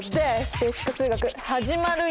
「ベーシック数学」始まるＹｏ！